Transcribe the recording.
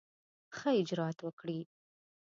ښه اجرآت وکړي.